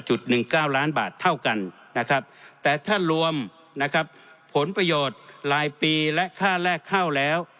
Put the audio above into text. ๑๙ล้านบาทเท่ากันนะครับแต่ถ้ารวมนะครับผลประโยชน์รายปีและค่าแลกเข้าแล้ว